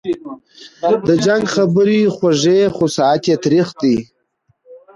د جنګ خبري خوږې خو ساعت یې تریخ وي